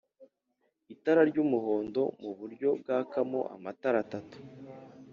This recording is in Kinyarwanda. itara ry'umuhondo mu buryo bwakamo amatara atatu.